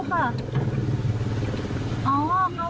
อ๋อเขาเขาไม่ให้จอด